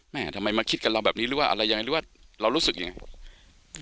ทำไมมาคิดกับเราแบบนี้หรือว่าอะไรยังไงหรือว่าเรารู้สึกยังไง